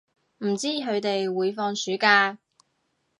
唔知佢哋會放暑假